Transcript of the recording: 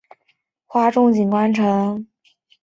湖水主要靠地表径流补给。